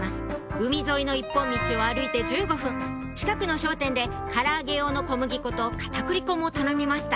海沿いの一本道を歩いて１５分近くの商店でから揚げ用の小麦粉と片栗粉も頼みました